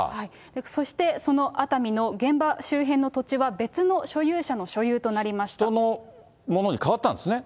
そしてその熱海の現場周辺の土地は、別の所有者の所有となり人のものに変わったんですね。